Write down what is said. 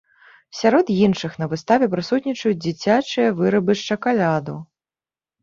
Сярод іншых на выставе прысутнічаюць дзіцячыя вырабы з шакаладу.